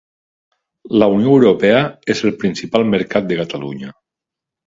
La Unió Europea és el principal mercat de Catalunya.